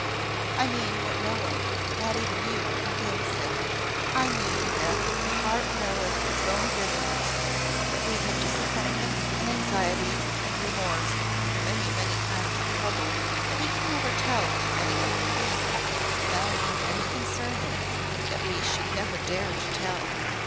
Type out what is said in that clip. "I mean what no one, not even you, can gainsay. I mean that `the heart knoweth its own bitterness;' that we have disappointments, and anxieties, and remorse, and many, many kinds of trouble that we can never tell to any human being that none have any concern with that we should never dare to tell.